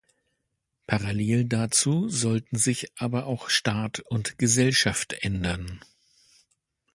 Parallel dazu sollten sich aber auch Staat und Gesellschaft ändern.